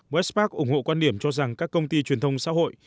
wespat ủng hộ quan điểm cho rằng các công ty truyền thông xã hội